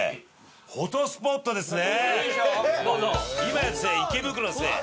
フォトスポットですね。